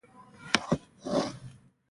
خټینو جوړښتونو ښکلې منظره درلوده.